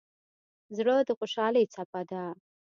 زړه د خوشحالۍ څپه ده.